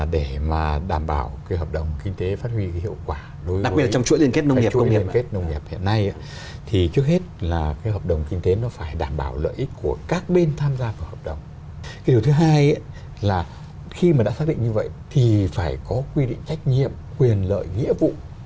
điều thứ hai là khi mà đã xác định như vậy thì phải có quy định trách nhiệm quyền lợi nghĩa vụ